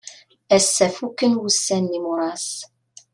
Ass-a fuken wussan n yimuṛas.